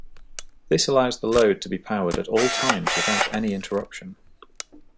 This allows the load to be powered at all times without any interruption.